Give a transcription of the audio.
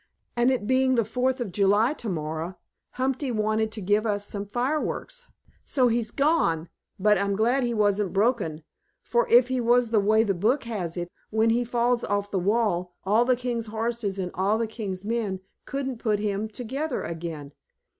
And it being the Fourth of July tomorrow, Humpty wanted to give us some fireworks. So he's gone, but I'm glad he wasn't broken, for if he was the way the book has it, when he falls off the wall, all the King's horses and all the King's men couldn't put him together again.